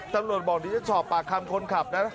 ตำรวจบอกว่าจะชอบปากคำคนขับนะ